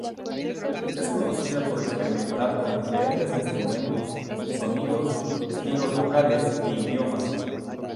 Es conocida por experimentar con diferentes instrumentos, sonidos, estilos vocales e idiomas.